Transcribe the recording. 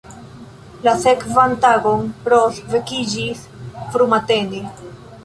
La sekvan tagon Ros vekiĝis frumatene.